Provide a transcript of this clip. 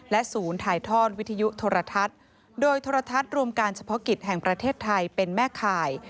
ศูนย์ถ่ายทอดวิทยุโทรทัศน์โดยโทรทัศน์รวมการเฉพาะกิจแห่งประเทศไทยเป็นแม่ข่าย